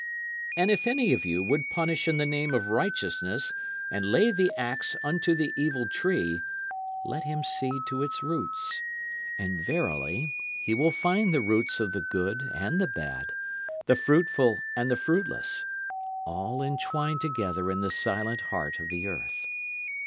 And if any of you would punish in the name of righteousness and lay the ax unto the evil tree, let him see to its roots; And verily he will find the roots of the good and the bad, the fruitful and the fruitless, all entwined together in the silent heart of the earth.